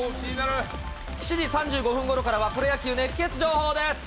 ７時３５分ごろからは、プロ野球熱ケツ情報です。